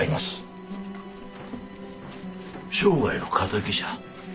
生涯の仇じゃ。